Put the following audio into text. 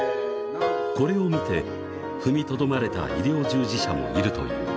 これを見て、踏みとどまれた医療従事者もいるという。